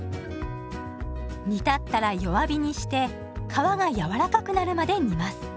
煮立ったら弱火にして皮が柔らかくなるまで煮ます。